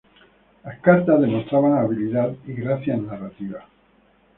Las cartas demostraban habilidad y gracia narrativa.